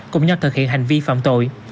cùng nhau thực hiện hành vi phạm tội